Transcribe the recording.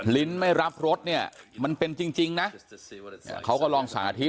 ลิ้นไม่รับรสเนี่ยมันเป็นจริงนะเขาก็ลองสาธิต